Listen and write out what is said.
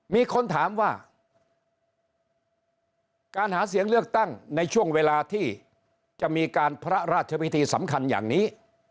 มีคนถามว่าการหาเสียงเลือกตั้งในช่วงเวลาที่จะมีการพระราชพิธีสำคัญอย่างนี้